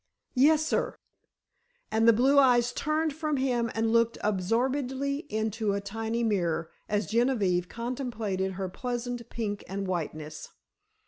"Yes, sir," and the blue eyes turned from him and looked absorbedly into a tiny mirror, as Genevieve contemplated her pleasant pink and whiteness.